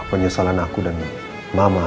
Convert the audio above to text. penyesalan aku dan mama